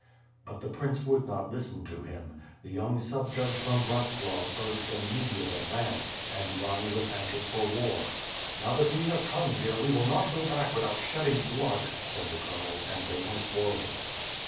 But the prince would not listen to him. The young sub judge from Brdtslav urged an immediate advance, and the army was anxious for war. "Now that we have come here, we will not go back without shedding blood," said the colonels and they went forward.